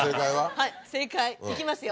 はい正解いきますよ。